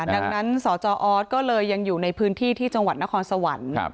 ดังนั้นสจออสก็เลยยังอยู่ในพื้นที่ที่จังหวัดนครสวรรค์